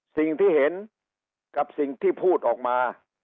สิ่งที่เห็นกับสิ่งที่พูดออกมา